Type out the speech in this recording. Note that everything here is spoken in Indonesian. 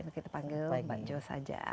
kita panggil mbak jo saja